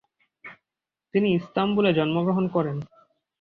তিনি ইস্তানবুলে জন্মগ্রহণ করেন।